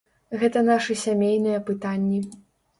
Гэта нашы сямейныя пытанні.